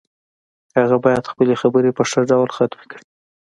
هغه باید خپلې خبرې په ښه ډول ختمې کړي